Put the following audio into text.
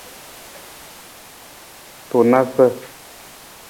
Tunasa.